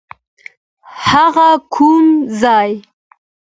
هغه کوم ځای؟